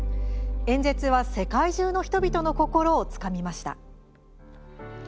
演説は世界中の人々の心をつかみました。